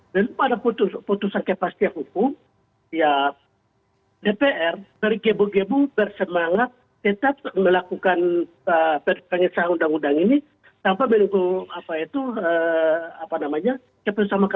dan pada putusan kepastian hukum ya dpr dari gebu gebu bersemangat tetap melakukan pengesahan undang undang ini tanpa menunggu apa itu apa namanya keputusan mk